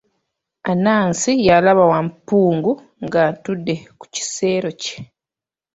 Anansi yalaba Wampungu ng'atudde ku kisero kye.